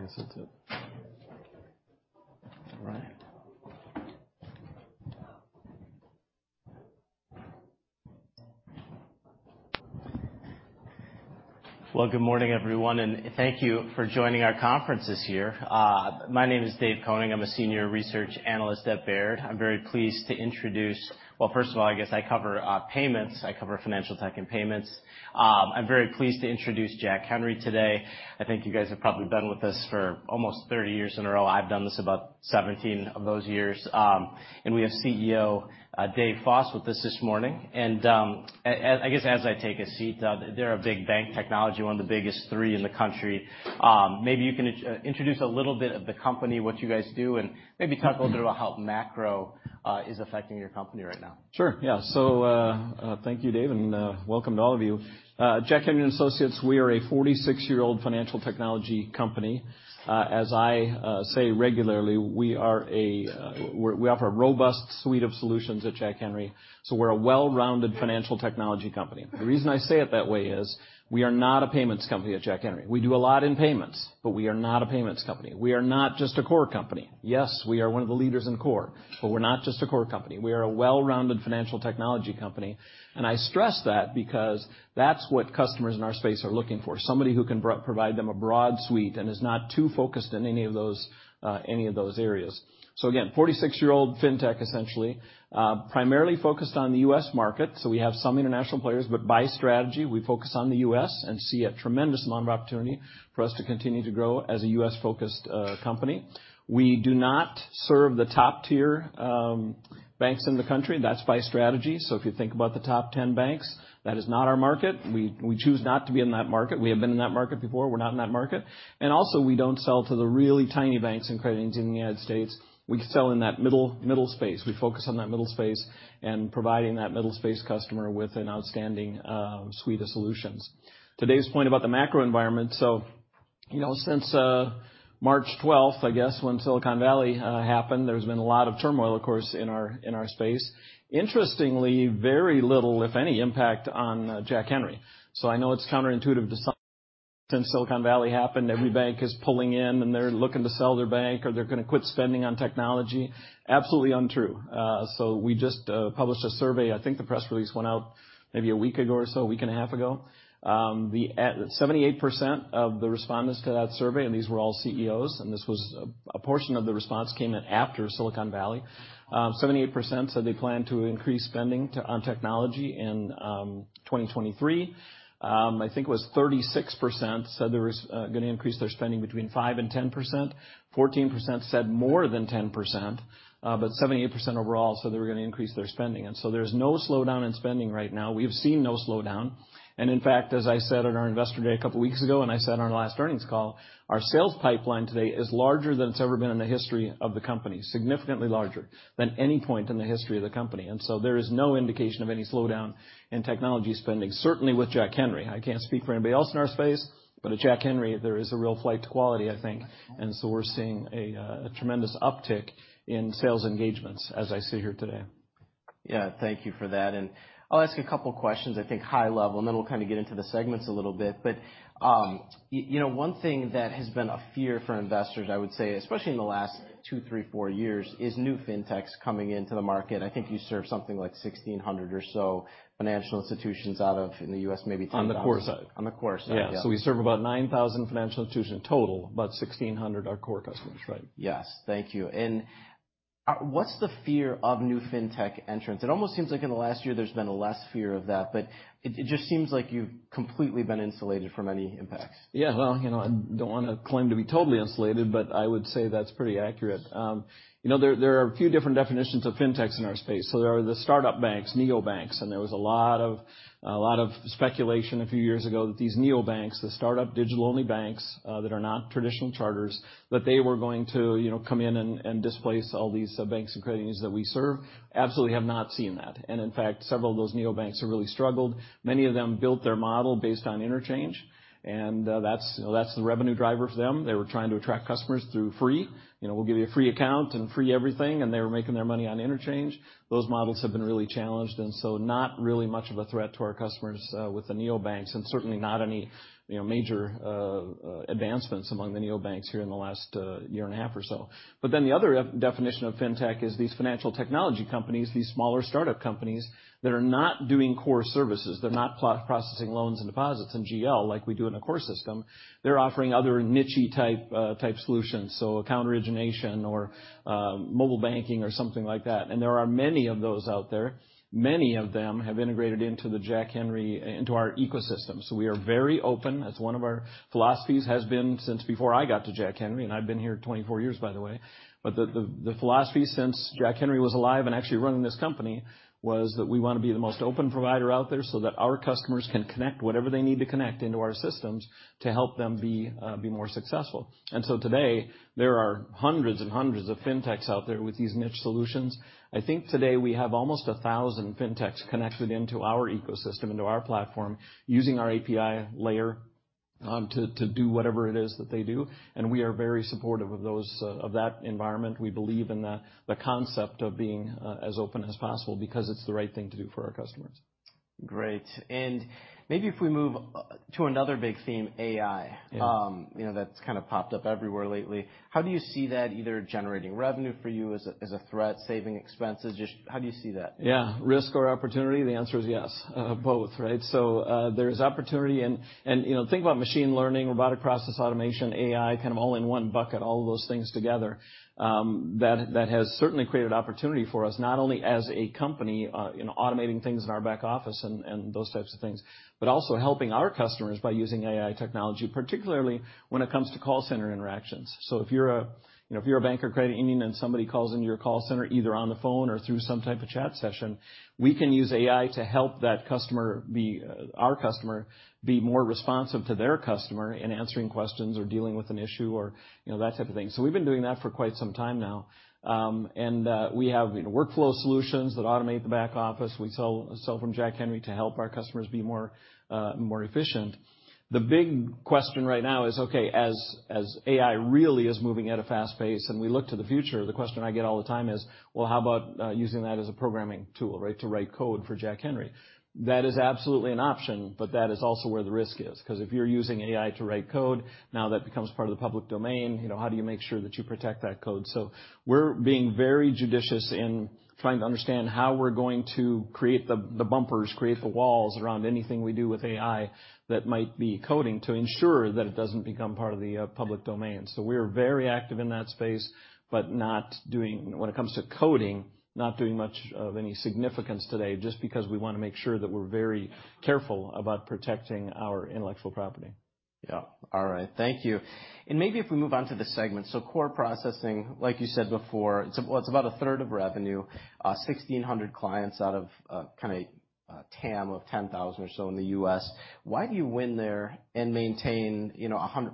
Oh, I guess that's it. All right. Well, good morning, everyone, and thank you for joining our conference this year. My name is Dave Koenig. I'm a senior research analyst at Baird. I'm very pleased to introduce, well, first of all, I guess I cover payments. I cover financial tech and payments. I'm very pleased to introduce Jack Henry today. I think you guys have probably been with us for almost 30 years in a row. I've done this about 17 of those years. And we have CEO Dave Foss with us this morning. And I guess as I take a seat, they're a big bank technology, one of the biggest three in the country. Maybe you can introduce a little bit of the company, what you guys do, and maybe talk a little bit about how macro is affecting your company right now. Sure. Yeah. So thank you, Dave, and welcome to all of you. At Jack Henry & Associates, we are a 46-year-old financial technology company. As I say regularly, we offer a robust suite of solutions at Jack Henry. So we're a well-rounded financial technology company. The reason I say it that way is we are not a payments company at Jack Henry. We do a lot in payments, but we are not a payments company. We are not just a core company. Yes, we are one of the leaders in core, but we're not just a core company. We are a well-rounded financial technology company. And I stress that because that's what customers in our space are looking for: somebody who can provide them a broad suite and is not too focused in any of those areas. So again, 46-year-old fintech, essentially, primarily focused on the U.S. market. So we have some international players, but by strategy, we focus on the U.S. and see a tremendous amount of opportunity for us to continue to grow as a U.S.-focused company. We do not serve the top-tier banks in the country. That's by strategy. So if you think about the top 10 banks, that is not our market. We choose not to be in that market. We have been in that market before. We're not in that market. And also, we don't sell to the really tiny banks and credit unions in the United States. We sell in that middle space. We focus on that middle space and providing that middle space customer with an outstanding suite of solutions. Today's point about the macro environment. So since March 12th, I guess, when Silicon Valley Bank happened, there's been a lot of turmoil, of course, in our space. Interestingly, very little, if any, impact on Jack Henry. So I know it's counterintuitive to some, since Silicon Valley happened, every bank is pulling in and they're looking to sell their bank or they're going to quit spending on technology. Absolutely untrue. So we just published a survey. I think the press release went out maybe a week ago or so, a week and a half ago. 78% of the respondents to that survey, and these were all CEOs, and this was a portion of the response came in after Silicon Valley, 78% said they plan to increase spending on technology in 2023. I think it was 36% said they were going to increase their spending between 5% and 10%. 14% said more than 10%, but 78% overall said they were going to increase their spending, and so there's no slowdown in spending right now. We've seen no slowdown. And in fact, as I said at our investor day a couple of weeks ago, and I said on our last earnings call, our sales pipeline today is larger than it's ever been in the history of the company, significantly larger than any point in the history of the company. And so there is no indication of any slowdown in technology spending, certainly with Jack Henry. I can't speak for anybody else in our space, but at Jack Henry, there is a real flight to quality, I think. And so we're seeing a tremendous uptick in sales engagements, as I sit here today. Yeah. Thank you for that. And I'll ask a couple of questions, I think high level, and then we'll kind of get into the segments a little bit. But one thing that has been a fear for investors, I would say, especially in the last two, three, four years, is new fintechs coming into the market. I think you serve something like 1,600 or so financial institutions out of, in the U.S., maybe 10,000. On the core side. On the core side. Yeah. So we serve about 9,000 financial institutions in total, about 1,600 are core customers, right? Yes. Thank you. And what's the fear of new fintech entrants? It almost seems like in the last year there's been less fear of that, but it just seems like you've completely been insulated from any impacts. Yeah. Well, I don't want to claim to be totally insulated, but I would say that's pretty accurate. There are a few different definitions of fintechs in our space. So there are the startup banks, neobanks, and there was a lot of speculation a few years ago that these neobanks, the startup digital-only banks that are not traditional charters, that they were going to come in and displace all these banks and credit unions that we serve. Absolutely have not seen that. And in fact, several of those neobanks have really struggled. Many of them built their model based on interchange, and that's the revenue driver for them. They were trying to attract customers through free. We'll give you a free account and free everything, and they were making their money on interchange. Those models have been really challenged, and so not really much of a threat to our customers with the neobanks, and certainly not any major advancements among the neobanks here in the last year and a half or so, but then the other definition of fintech is these financial technology companies, these smaller startup companies that are not doing core services, they're not processing loans and deposits and GL like we do in a core system, they're offering other niche-type solutions, so account origination or mobile banking or something like that, and there are many of those out there. Many of them have integrated into the Jack Henry, into our ecosystem, so we are very open. That's one of our philosophies has been since before I got to Jack Henry, and I've been here 24 years, by the way. The philosophy since Jack Henry was alive and actually running this company was that we want to be the most open provider out there so that our customers can connect whatever they need to connect into our systems to help them be more successful. And so today, there are hundreds and hundreds of fintechs out there with these niche solutions. I think today we have almost 1,000 fintechs connected into our ecosystem, into our platform, using our API layer to do whatever it is that they do. And we are very supportive of that environment. We believe in the concept of being as open as possible because it's the right thing to do for our customers. Great. And maybe if we move to another big theme, AI, that's kind of popped up everywhere lately. How do you see that either generating revenue for you as a threat, saving expenses? Just how do you see that? Yeah. Risk or opportunity? The answer is yes. Both, right? So there is opportunity, and think about machine learning, robotic process automation, AI, kind of all in one bucket, all of those things together. That has certainly created opportunity for us, not only as a company automating things in our back office and those types of things, but also helping our customers by using AI technology, particularly when it comes to call center interactions, so if you're a bank or credit union and somebody calls into your call center, either on the phone or through some type of chat session, we can use AI to help that customer, our customer, be more responsive to their customer in answering questions or dealing with an issue or that type of thing, so we've been doing that for quite some time now, and we have workflow solutions that automate the back office. We sell from Jack Henry to help our customers be more efficient. The big question right now is, okay, as AI really is moving at a fast pace and we look to the future, the question I get all the time is, well, how about using that as a programming tool, right, to write code for Jack Henry? That is absolutely an option, but that is also where the risk is. Because if you're using AI to write code, now that becomes part of the public domain. How do you make sure that you protect that code? So we're being very judicious in trying to understand how we're going to create the bumpers, create the walls around anything we do with AI that might be coding to ensure that it doesn't become part of the public domain. So we're very active in that space, but when it comes to coding, not doing much of any significance today, just because we want to make sure that we're very careful about protecting our intellectual property. Yeah. All right. Thank you. And maybe if we move on to the segment. So core processing, like you said before, it's about a third of revenue, 1,600 clients out of kind of TAM of 10,000 or so in the U.S. Why do you win there and maintain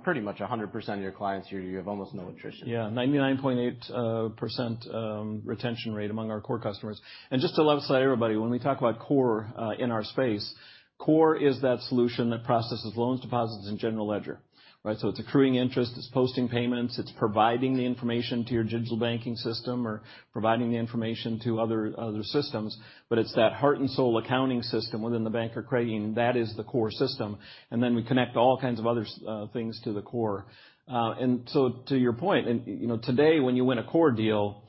pretty much 100% of your clients? You have almost no attrition. Yeah. 99.8% retention rate among our core customers. And just to let everybody know, when we talk about core in our space, core is that solution that processes loans, deposits, and general ledger, right? So it's accruing interest, it's posting payments, it's providing the information to your digital banking system or providing the information to other systems, but it's that heart and soul accounting system within the bank or credit union. That is the core system. And then we connect all kinds of other things to the core. And so to your point, today, when you win a core deal,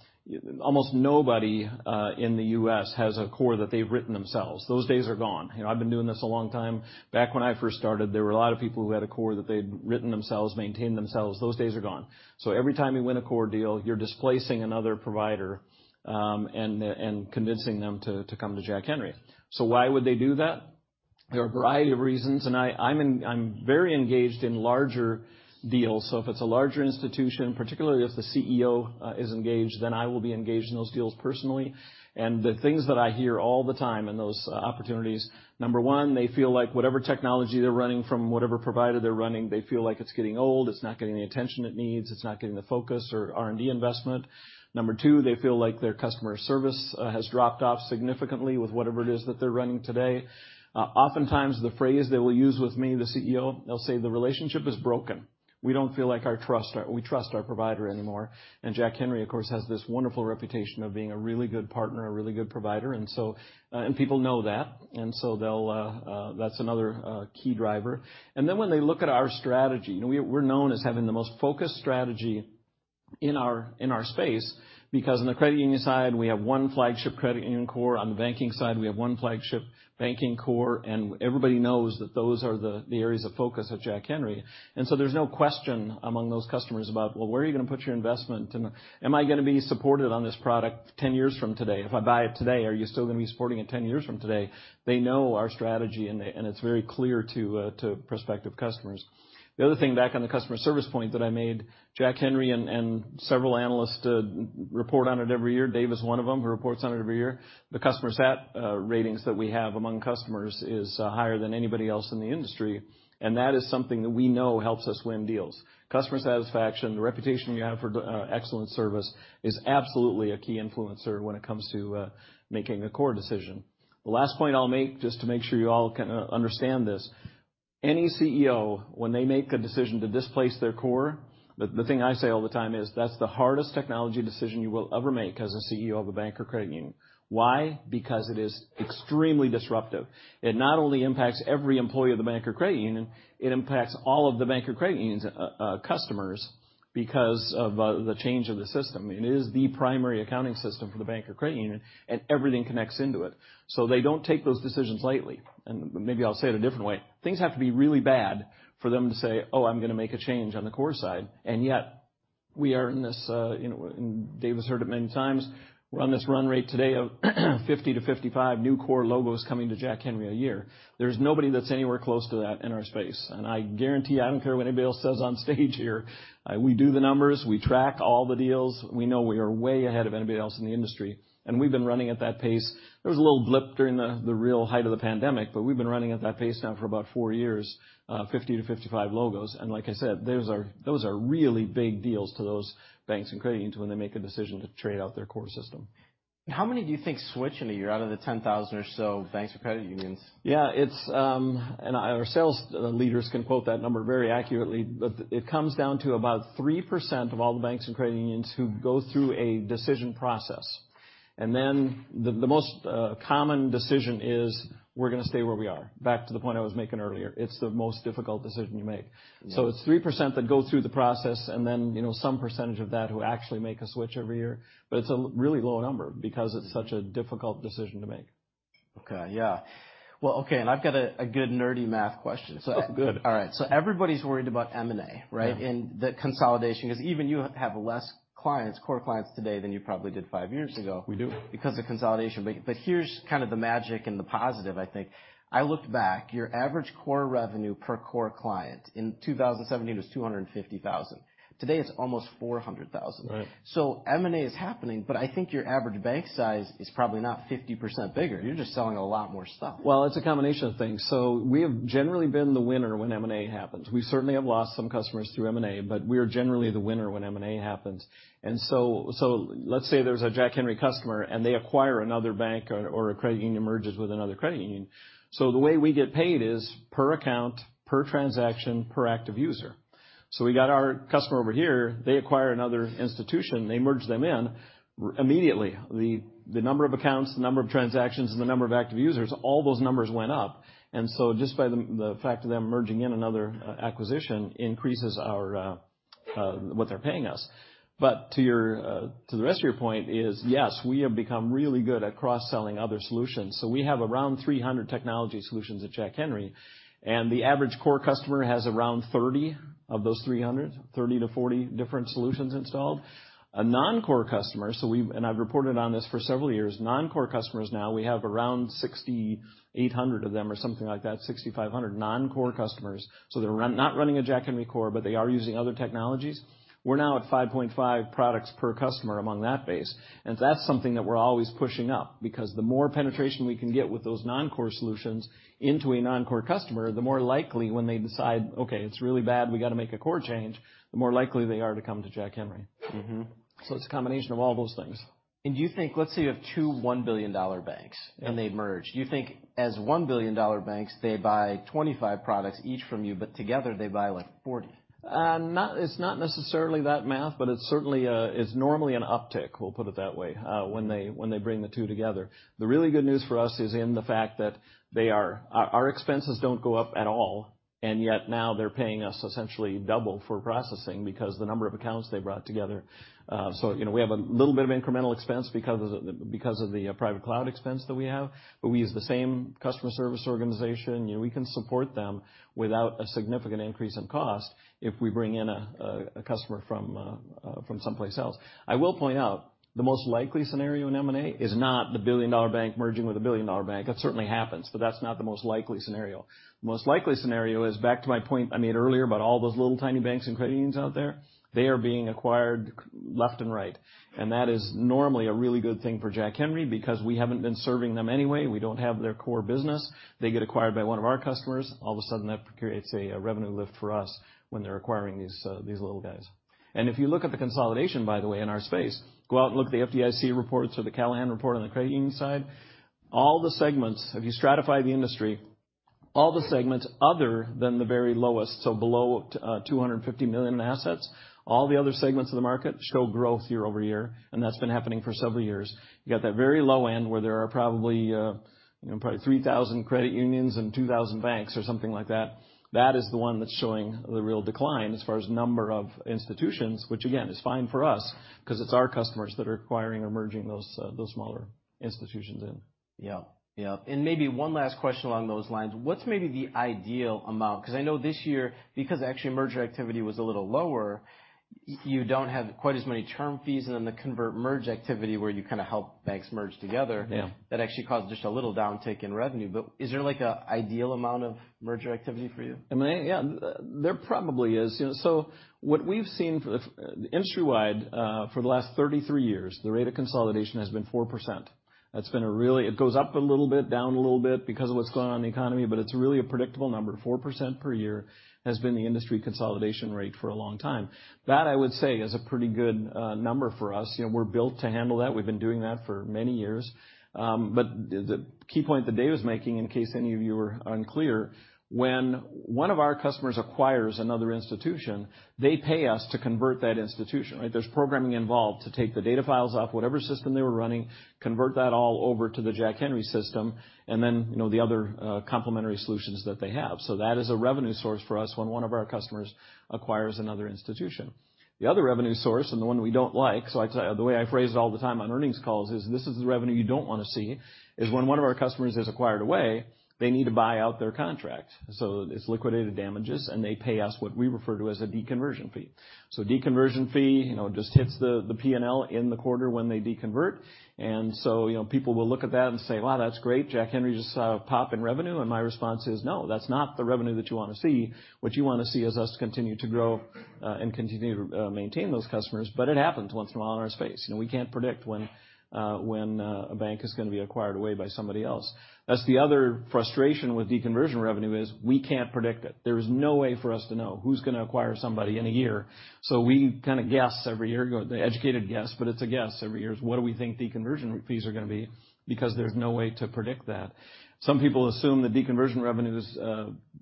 almost nobody in the U.S. has a core that they've written themselves. Those days are gone. I've been doing this a long time. Back when I first started, there were a lot of people who had a core that they'd written themselves, maintained themselves. Those days are gone. Every time you win a core deal, you're displacing another provider and convincing them to come to Jack Henry. So why would they do that? There are a variety of reasons. And I'm very engaged in larger deals. So if it's a larger institution, particularly if the CEO is engaged, then I will be engaged in those deals personally. And the things that I hear all the time in those opportunities, number one, they feel like whatever technology they're running from whatever provider they're running, they feel like it's getting old, it's not getting the attention it needs, it's not getting the focus or R&D investment. Number two, they feel like their customer service has dropped off significantly with whatever it is that they're running today. Oftentimes, the phrase they will use with me, the CEO, they'll say, "The relationship is broken. We don't feel like we trust our provider anymore." And Jack Henry, of course, has this wonderful reputation of being a really good partner, a really good provider. And people know that. And so that's another key driver. And then when they look at our strategy, we're known as having the most focused strategy in our space because on the credit union side, we have one flagship credit union core. On the banking side, we have one flagship banking core. And everybody knows that those are the areas of focus at Jack Henry. And so there's no question among those customers about, well, where are you going to put your investment? Am I going to be supported on this product 10 years from today? If I buy it today, are you still going to be supporting it 10 years from today? They know our strategy, and it's very clear to prospective customers. The other thing back on the customer service point that I made, Jack Henry and several analysts report on it every year. Dave is one of them who reports on it every year. The customer sat ratings that we have among customers is higher than anybody else in the industry, and that is something that we know helps us win deals. Customer satisfaction, the reputation you have for excellent service is absolutely a key influencer when it comes to making a core decision. The last point I'll make just to make sure you all understand this. Any CEO, when they make a decision to displace their core, the thing I say all the time is that's the hardest technology decision you will ever make as a CEO of a bank or credit union. Why? Because it is extremely disruptive. It not only impacts every employee of the bank or credit union, it impacts all of the bank or credit union's customers because of the change of the system. It is the primary accounting system for the bank or credit union, and everything connects into it. So they don't take those decisions lightly. And maybe I'll say it a different way. Things have to be really bad for them to say, "Oh, I'm going to make a change on the core side." And yet we are in this, and Dave has heard it many times, we're on this run rate today of 50-55 new core logos coming to Jack Henry a year. There's nobody that's anywhere close to that in our space. I guarantee, I don't care what anybody else says on stage here, we do the numbers, we track all the deals, we know we are way ahead of anybody else in the industry. We've been running at that pace. There was a little blip during the real height of the pandemic, but we've been running at that pace now for about four years, 50-55 logos. Like I said, those are really big deals to those banks and credit unions when they make a decision to trade out their core system. How many do you think switch in a year out of the 10,000 or so banks or credit unions? Yeah, and our sales leaders can quote that number very accurately, but it comes down to about 3% of all the banks and credit unions who go through a decision process, and then the most common decision is, "We're going to stay where we are." Back to the point I was making earlier, it's the most difficult decision you make, so it's 3% that go through the process and then some percentage of that who actually make a switch every year, but it's a really low number because it's such a difficult decision to make. Okay. Yeah. Well, okay, and I've got a good nerdy math question. Sounds good. All right. So everybody's worried about M&A, right, and the consolidation, because even you have less clients, core clients today than you probably did five years ago. We do. Because of consolidation. But here's kind of the magic and the positive, I think. I looked back. Your average core revenue per core client in 2017 was $250,000. Today, it's almost $400,000. So M&A is happening, but I think your average bank size is probably not 50% bigger. You're just selling a lot more stuff. It's a combination of things. We have generally been the winner when M&A happens. We certainly have lost some customers through M&A, but we are generally the winner when M&A happens. Let's say there's a Jack Henry customer and they acquire another bank or a credit union merges with another credit union. The way we get paid is per account, per transaction, per active user. We got our customer over here, they acquire another institution, they merge them in, immediately the number of accounts, the number of transactions, and the number of active users, all those numbers went up. Just by the fact of them merging in another acquisition increases what they're paying us. To the rest of your point is, yes, we have become really good at cross-selling other solutions. We have around 300 technology solutions at Jack Henry. The average core customer has around 30 of those 300, 30 to 40 different solutions installed. A non-core customer, and I've reported on this for several years, non-core customers now, we have around 6,800 of them or something like that, 6,500 non-core customers, so they're not running a Jack Henry core, but they are using other technologies. We're now at 5.5 products per customer among that base, and that's something that we're always pushing up because the more penetration we can get with those non-core solutions into a non-core customer, the more likely when they decide, "Okay, it's really bad, we got to make a core change," the more likely they are to come to Jack Henry, so it's a combination of all those things. Do you think, let's say you have two $1 billion banks and they merge, do you think as $1 billion banks, they buy 25 products each from you, but together they buy like 40? It's not necessarily that math, but it's normally an uptick, we'll put it that way, when they bring the two together. The really good news for us is in the fact that our expenses don't go up at all. And yet now they're paying us essentially double for processing because of the number of accounts they brought together. So we have a little bit of incremental expense because of the private cloud expense that we have. But we use the same customer service organization. We can support them without a significant increase in cost if we bring in a customer from someplace else. I will point out the most likely scenario in M&A is not the billion-dollar bank merging with a billion-dollar bank. That certainly happens, but that's not the most likely scenario. The most likely scenario is back to my point I made earlier about all those little tiny banks and credit unions out there, they are being acquired left and right. And that is normally a really good thing for Jack Henry because we haven't been serving them anyway. We don't have their core business. They get acquired by one of our customers. All of a sudden, that creates a revenue lift for us when they're acquiring these little guys. And if you look at the consolidation, by the way, in our space, go out and look at the FDIC reports or the Callahan Report on the credit union side, all the segments, if you stratify the industry, all the segments other than the very lowest, so below 250 million in assets, all the other segments of the market show growth year over year. And that's been happening for several years. You got that very low end where there are probably 3,000 credit unions and 2,000 banks or something like that. That is the one that's showing the real decline as far as number of institutions, which again is fine for us because it's our customers that are acquiring or merging those smaller institutions in. Yeah. Yeah. And maybe one last question along those lines. What's maybe the ideal amount? Because I know this year, because actually merger activity was a little lower, you don't have quite as many term fees and then the conversion merge activity where you kind of help banks merge together, that actually caused just a little downtick in revenue. But is there like an ideal amount of merger activity for you? Yeah, there probably is. So what we've seen industry-wide for the last 33 years, the rate of consolidation has been 4%. It goes up a little bit, down a little bit because of what's going on in the economy, but it's really a predictable number. 4% per year has been the industry consolidation rate for a long time. That I would say is a pretty good number for us. We're built to handle that. We've been doing that for many years. But the key point that Dave is making, in case any of you are unclear, when one of our customers acquires another institution, they pay us to convert that institution, right? There's programming involved to take the data files off whatever system they were running, convert that all over to the Jack Henry system, and then the other complementary solutions that they have. So that is a revenue source for us when one of our customers acquires another institution. The other revenue source, and the one we don't like, so the way I phrase it all the time on earnings calls is, this is the revenue you don't want to see, is when one of our customers has acquired away, they need to buy out their contract. So it's liquidated damages, and they pay us what we refer to as a deconversion fee. So deconversion fee just hits the P&L in the quarter when they deconvert. And so people will look at that and say, "Wow, that's great. Jack Henry just saw a pop in revenue." And my response is, "No, that's not the revenue that you want to see. What you want to see is us continue to grow and continue to maintain those customers." But it happens once in a while in our space. We can't predict when a bank is going to be acquired away by somebody else. That's the other frustration with deconversion revenue is we can't predict it. There is no way for us to know who's going to acquire somebody in a year. So we kind of guess every year, the educated guess, but it's a guess every year is what do we think deconversion fees are going to be because there's no way to predict that. Some people assume that deconversion revenue is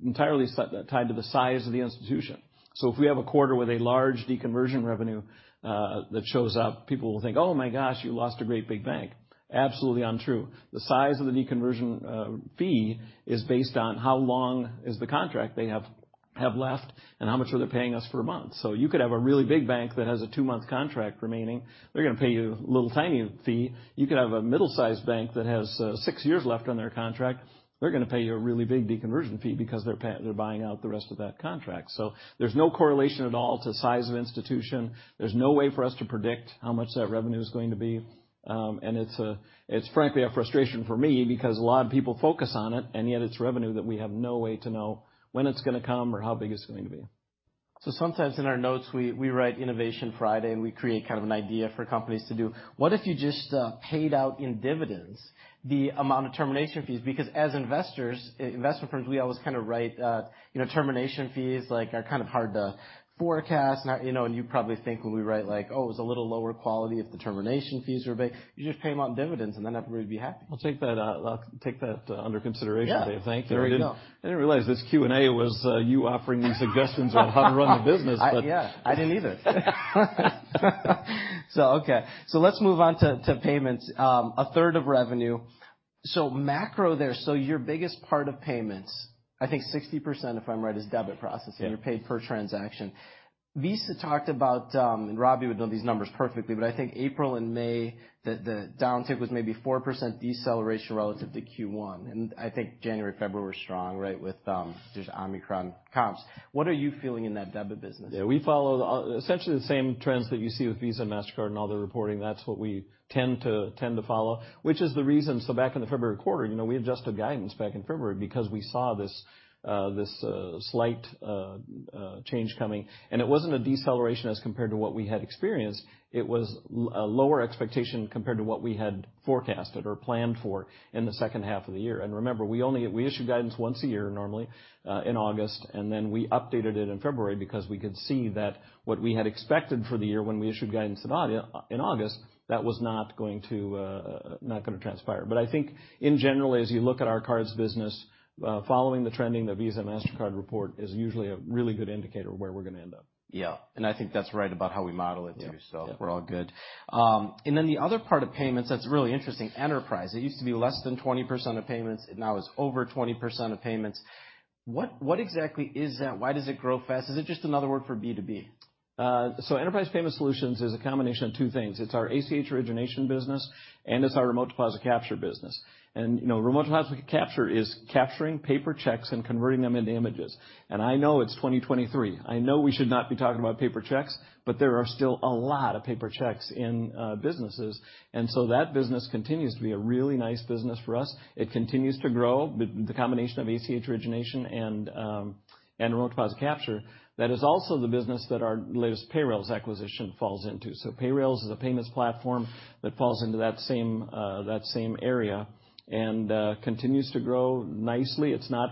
entirely tied to the size of the institution. So if we have a quarter with a large deconversion revenue that shows up, people will think, "Oh my gosh, you lost a great big bank." Absolutely untrue. The size of the deconversion fee is based on how long is the contract they have left and how much are they paying us for a month. So you could have a really big bank that has a two-month contract remaining, they're going to pay you a little tiny fee. You could have a middle-sized bank that has six years left on their contract, they're going to pay you a really big deconversion fee because they're buying out the rest of that contract. So there's no correlation at all to size of institution. There's no way for us to predict how much that revenue is going to be. And it's frankly a frustration for me because a lot of people focus on it, and yet it's revenue that we have no way to know when it's going to come or how big it's going to be. Sometimes in our notes, we write Innovation Friday, and we create kind of an idea for companies to do. What if you just paid out in dividends the amount of termination fees? Because as investors, investment firms, we always kind of write termination fees like are kind of hard to forecast. You probably think when we write like, "Oh, it was a little lower quality if the termination fees were a bit..." You just pay them out in dividends, and then everybody would be happy. I'll take that under consideration, Dave. Thank you. I didn't realize this Q&A was you offering these suggestions on how to run the business, but. Yeah, I didn't either, so okay, so let's move on to payments. A third of revenue. So macro there, so your biggest part of payments, I think 60% if I'm right, is debit processing. You're paid per transaction. Visa talked about, and Robbie would know these numbers perfectly, but I think April and May, the downtick was maybe 4% deceleration relative to Q1. And I think January, February were strong, right, with just Omicron comps. What are you feeling in that debit business? Yeah, we follow essentially the same trends that you see with Visa, Mastercard, and all their reporting. That's what we tend to follow, which is the reason, so back in the February quarter, we adjusted guidance back in February because we saw this slight change coming, and it wasn't a deceleration as compared to what we had experienced. It was a lower expectation compared to what we had forecaster or planned for in the second half of the year, and remember, we issued guidance once a year normally in August, and then we updated it in February because we could see that what we had expected for the year when we issued guidance in August, that was not going to transpire. But I think in general, as you look at our cards business, following the trending, the Visa and Mastercard report is usually a really good indicator of where we're going to end up. Yeah. And I think that's right about how we model it too. So we're all good. And then the other part of payments that's really interesting, enterprise. It used to be less than 20% of payments. It now is over 20% of payments. What exactly is that? Why does it grow fast? Is it just another word for B2B? So Enterprise Payment Solutions is a combination of two things. It's our ACH origination business, and it's our Remote Deposit Capture business. And Remote Deposit Capture is capturing paper checks and converting them into images. And I know it's 2023. I know we should not be talking about paper checks, but there are still a lot of paper checks in businesses. And so that business continues to be a really nice business for us. It continues to grow, the combination of ACH origination and Remote Deposit Capture. That is also the business that our latest Payrailz acquisition falls into. So Payrailz is a payments platform that falls into that same area and continues to grow nicely. It's not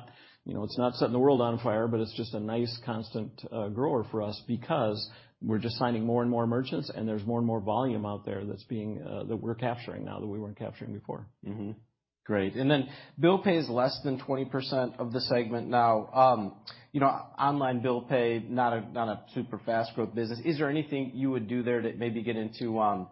setting the world on fire, but it's just a nice constant grower for us because we're just signing more and more merchants and there's more and more volume out there that we're capturing now that we weren't capturing before. Great and then Bill Pay is less than 20% of the segment now. Online Bill Pay, not a super fast growth business. Is there anything you would do there to maybe get into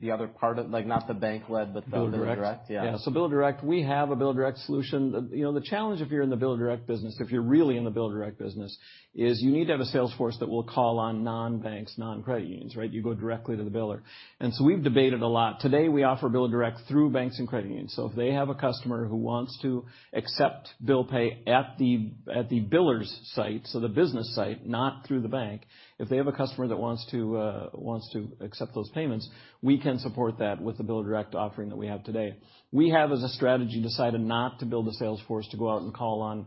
the other part of, like not the bank-led, but the Biller Direct? Biller Direct. Yeah. So Biller Direct, we have a Biller Direct solution. The challenge if you're in the Biller Direct business, if you're really in the Biller Direct business, is you need to have a salesforce that will call on non-banks, non-credit unions, right? You go directly to the biller. And so we've debated a lot. Today we offer Bill Direct through banks and credit unions. So if they have a customer who wants to accept Bill Pay at the biller's site, so the business site, not through the bank, if they have a customer that wants to accept those payments, we can support that with the Biller Direct offering that we have today. We have as a strategy decided not to build a salesforce to go out and call on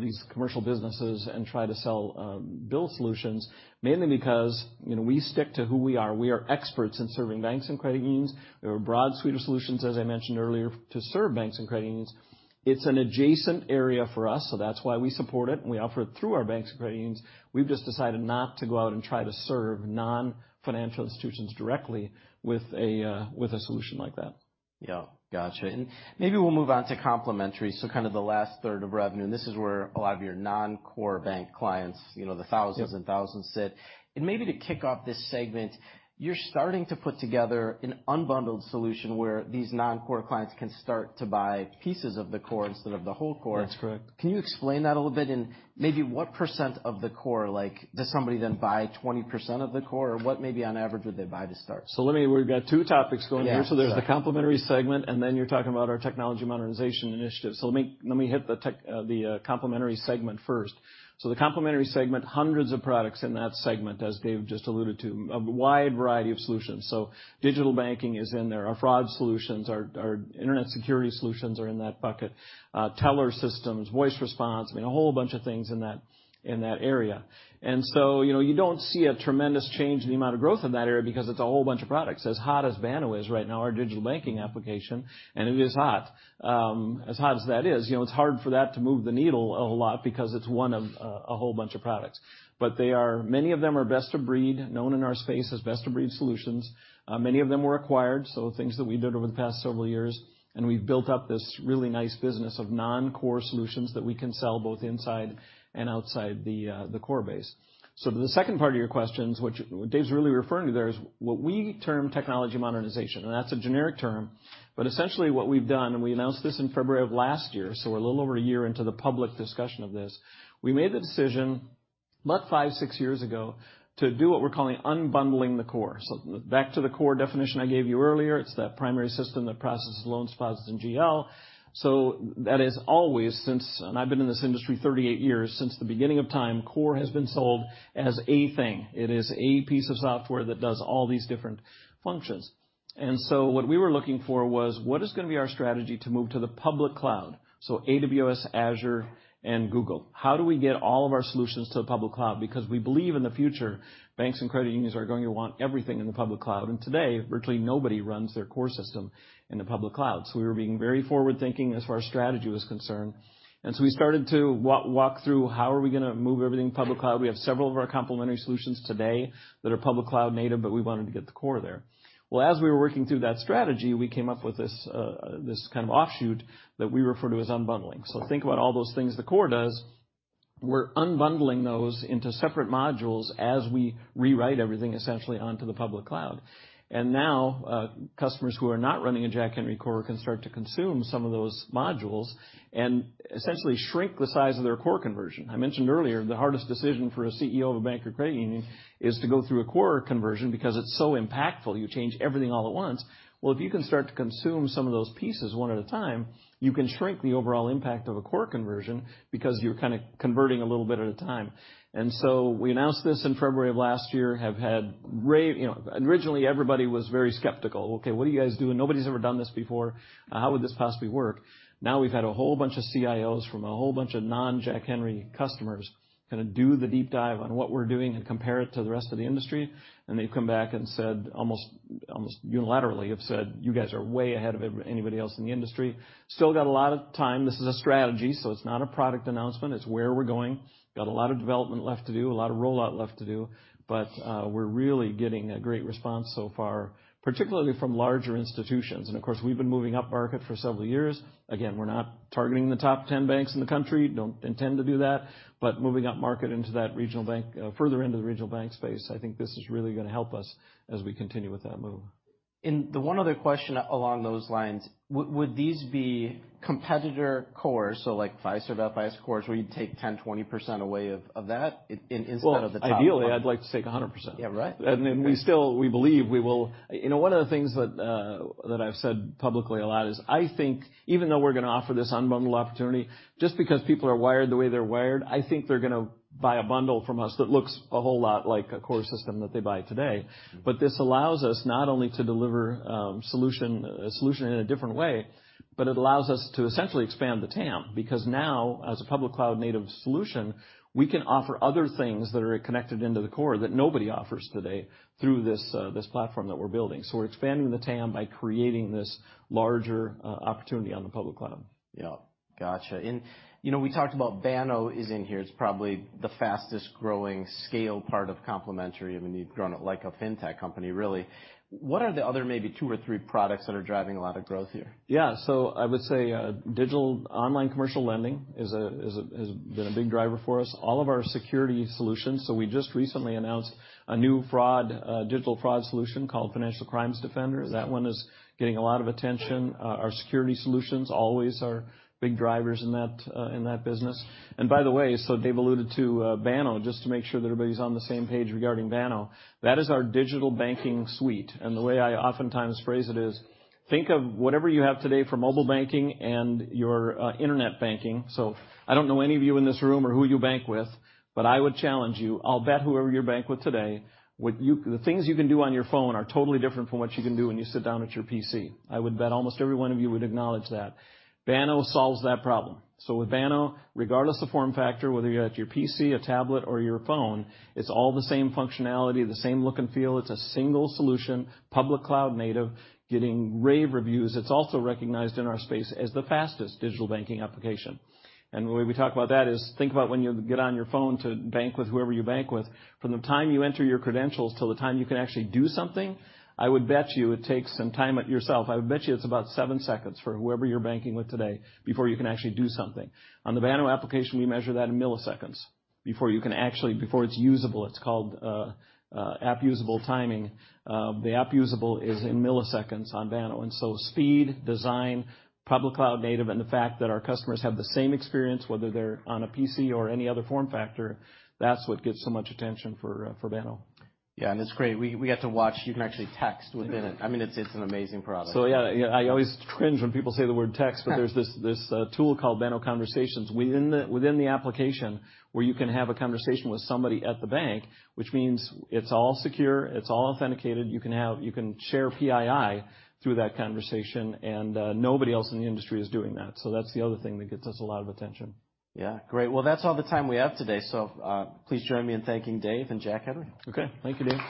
these commercial businesses and try to sell bill solutions, mainly because we stick to who we are. We are experts in serving banks and credit unions. We have a broad suite of solutions, as I mentioned earlier, to serve banks and credit unions. It's an adjacent area for us, so that's why we support it. We offer it through our banks and credit unions. We've just decided not to go out and try to serve non-financial institutions directly with a solution like that. Yeah. Gotcha. And maybe we'll move on to complementary. So kind of the last third of revenue, and this is where a lot of your non-core bank clients, the thousands and thousands sit. And maybe to kick off this segment, you're starting to put together an unbundled solution where these non-core clients can start to buy pieces of the core instead of the whole core. That's correct. Can you explain that a little bit, and maybe what percent of the core? Does somebody then buy 20% of the core, or what maybe on average would they buy to start? We've got two topics going here. There's the complementary segment, and then you're talking about our technology modernization initiative. Let me hit the complementary segment first. The complementary segment has hundreds of products in that segment, as Dave just alluded to, a wide variety of solutions. Digital banking is in there. Our fraud solutions, our internet security solutions are in that bucket. Teller systems, voice response, I mean, a whole bunch of things in that area. You don't see a tremendous change in the amount of growth in that area because it's a whole bunch of products. As hot as Banno is right now, our digital banking application, and it is hot. As hot as that is, it's hard for that to move the needle a lot because it's one of a whole bunch of products. But many of them are best of breed, known in our space as best of breed solutions. Many of them were acquired, so things that we did over the past several years. And we've built up this really nice business of non-core solutions that we can sell both inside and outside the core base. So to the second part of your questions, which Dave's really referring to there is what we term technology modernization. And that's a generic term. But essentially what we've done, and we announced this in February of last year, so we're a little over a year into the public discussion of this, we made the decision about five, six years ago to do what we're calling unbundling the core. So back to the core definition I gave you earlier, it's that primary system that processes loans, deposits, and GL. So that is always, since I've been in this industry 38 years, since the beginning of time, core has been sold as a thing. It is a piece of software that does all these different functions. And so what we were looking for was what is going to be our strategy to move to the public cloud? So AWS, Azure, and Google. How do we get all of our solutions to the public cloud? Because we believe in the future, banks and credit unions are going to want everything in the public cloud. And today, virtually nobody runs their core system in the public cloud. So we were being very forward-thinking as far as strategy was concerned. And so we started to walk through how are we going to move everything to the public cloud. We have several of our complementary solutions today that are public cloud native, but we wanted to get the core there. As we were working through that strategy, we came up with this kind of offshoot that we refer to as unbundling. Think about all those things the core does. We're unbundling those into separate modules as we rewrite everything essentially onto the public cloud. Now customers who are not running a Jack Henry core can start to consume some of those modules and essentially shrink the size of their core conversion. I mentioned earlier, the hardest decision for a CEO of a bank or credit union is to go through a core conversion because it's so impactful. You change everything all at once. If you can start to consume some of those pieces one at a time, you can shrink the overall impact of a core conversion because you're kind of converting a little bit at a time. We announced this in February of last year. We have had, originally everybody was very skeptical. Okay, what are you guys doing? Nobody's ever done this before. How would this possibly work? Now we've had a whole bunch of CIOs from a whole bunch of non-Jack Henry customers kind of do the deep dive on what we're doing and compare it to the rest of the industry. They've come back and said, almost unilaterally have said, you guys are way ahead of anybody else in the industry. Still got a lot of time. This is a strategy, so it's not a product announcement. It's where we're going. Got a lot of development left to do, a lot of rollout left to do. But we're really getting a great response so far, particularly from larger institutions and, of course, we've been moving up market for several years. Again, we're not targeting the top 10 banks in the country. Don't intend to do that, but moving up market into that regional bank, further into the regional bank space, I think this is really going to help us as we continue with that move. The one other question along those lines, would these be competitor cores, so like Fiserv, Bill foley's cores, where you'd take 10%-20% away of that instead of the top 10? Ideally, I'd like to take 100%. Yeah, right. And then we still, we believe we will. One of the things that I've said publicly a lot is I think even though we're going to offer this unbundled opportunity, just because people are wired the way they're wired, I think they're going to buy a bundle from us that looks a whole lot like a core system that they buy today. But this allows us not only to deliver a solution in a different way, but it allows us to essentially expand the TAM because now as a public cloud native solution, we can offer other things that are connected into the core that nobody offers today through this platform that we're building. We're expanding the TAM by creating this larger opportunity on the public cloud. Yeah. Gotcha. And we talked about Banno is in here. It's probably the fastest growing scale part of complementary. I mean, you've grown it like a fintech company, really. What are the other maybe two or three products that are driving a lot of growth here? Yeah. So I would say digital online commercial lending has been a big driver for us. All of our security solutions. So we just recently announced a new digital fraud solution called Financial Crimes Defender. That one is getting a lot of attention. Our security solutions always are big drivers in that business. And by the way, so Dave alluded to Banno, just to make sure that everybody's on the same page regarding Banno. That is our digital banking suite. And the way I oftentimes phrase it is think of whatever you have today for mobile banking and your internet banking. So I don't know any of you in this room or who you bank with, but I would challenge you. I'll bet whoever you're banked with today, the things you can do on your phone are totally different from what you can do when you sit down at your PC. I would bet almost every one of you would acknowledge that. Banno solves that problem. So with Banno, regardless of form factor, whether you're at your PC, a tablet, or your phone, it's all the same functionality, the same look and feel. It's a single solution, public cloud native, getting rave reviews. It's also recognized in our space as the fastest digital banking application. And the way we talk about that is think about when you get on your phone to bank with whoever you bank with, from the time you enter your credentials till the time you can actually do something. I would bet you it takes some time at least. I would bet you it's about seven seconds for whoever you're banking with today before you can actually do something. On the Banno application, we measure that in milliseconds before you can actually, before it's usable. It's called App usable timing. The App usable is in milliseconds on Banno. And so speed, design, public cloud native, and the fact that our customers have the same experience, whether they're on a PC or any other form factor, that's what gets so much attention for Banno. Yeah, and it's great. We get to watch. You can actually text within it. I mean, it's an amazing product. So yeah, I always cringe when people say the word text, but there's this tool called Banno Conversations within the application where you can have a conversation with somebody at the bank, which means it's all secure, it's all authenticated. You can share PII through that conversation, and nobody else in the industry is doing that. So that's the other thing that gets us a lot of attention. Yeah. Great. Well, that's all the time we have today. So please join me in thanking Dave and Jack Henry. Okay. Thank you, Dave.